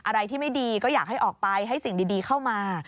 อะไรที่ไม่ดีก็อยากให้ออกไปให้สิ่งดีเข้ามา